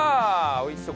おいしそう。